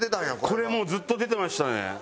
これずっと出てましたね。